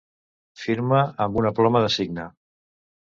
Firma amb una ploma de cigne.